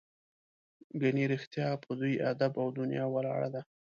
ګنې رښتیا په دوی ادب او دنیا ولاړه ده.